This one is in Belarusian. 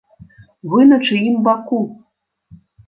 Вы на чыім баку?